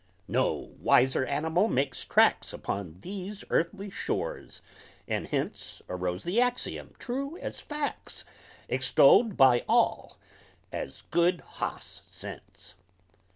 '" No wiser animal makes tracks Upon these earthly shores, and hence Arose the axium, true as facts, Extoled by all, as "Good hoss sense!"